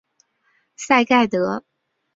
赛盖德。